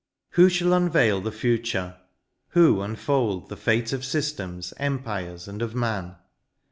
Who shall unveil the future — ^who unfold The fate of systems^ empires^ and of man